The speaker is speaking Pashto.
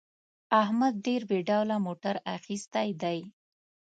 احمد ډېر بې ډوله موټر اخیستی دی.